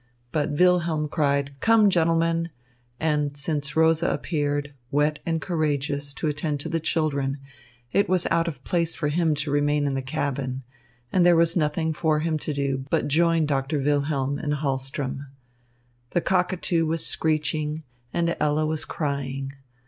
But Wilhelm cried, "Come, gentlemen," and since Rosa appeared, wet and courageous, to attend to the children, it was out of place for him to remain in the cabin, and there was nothing for him to do but join Doctor Wilhelm and Hahlström. The cockatoo was screeching and Ella was crying.